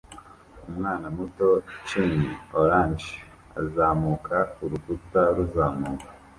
Umwana muto cin orange azamuka urukuta ruzamuka